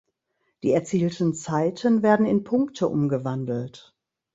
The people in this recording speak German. Die erzielten Zeiten werden in Punkte umgewandelt.